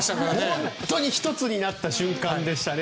本当に１つになった瞬間でしたね。